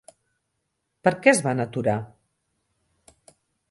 Per què es van aturar?